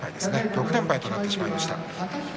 ６連敗となってしまいました。